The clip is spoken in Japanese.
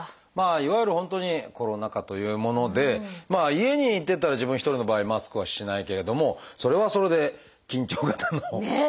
いわゆる本当にコロナ禍というものでまあ家にいてだったら自分一人の場合マスクはしないけれどもそれはそれで緊張型の。